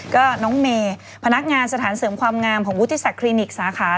ก็น้องเมย์พนักงานสถานเสริมความงามของวุฒิศักดิกสาขา